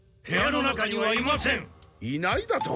いないだと？